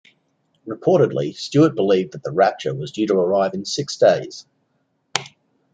Reportedly, Stewart believed that the Rapture was due to arrive in six days.